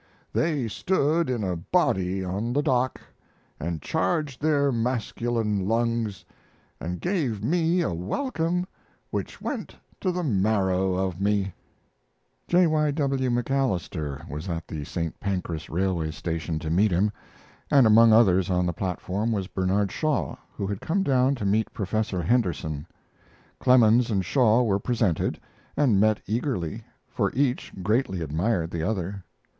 They stood in a body on the dock and charged their masculine lungs, and gave me a welcome which went to the marrow of me. J. Y. W. MacAlister was at the St. Pancras railway station to meet him, and among others on the platform was Bernard Shaw, who had come down to meet Professor Henderson. Clemens and Shaw were presented, and met eagerly, for each greatly admired the other.